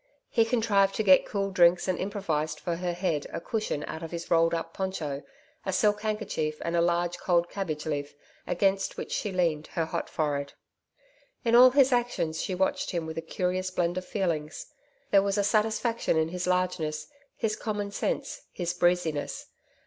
He contrived to get cool drinks and improvised for her head a cushion out of his rolled up poncho, a silk handkerchief and a large cold cabbage leaf against which she leaned her hot forehead. In all his actions she watched him with a curious blend of feelings. There was a satisfaction in his largeness, his commonsense, his breeziness.